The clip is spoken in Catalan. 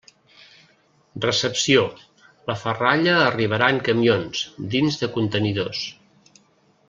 Recepció: la ferralla arribarà en camions, dins de contenidors.